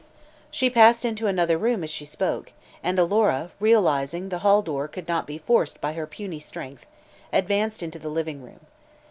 She passed into another room, as she spoke, and Alora, realizing the hall door could not be forced by her puny strength, advanced into the living room.